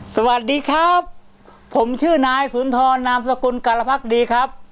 สวัสดีครับผมชื่อนายสุนทรนามสกุลการพักดีครับ